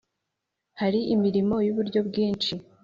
Hari imirimo y uburyo bwinshi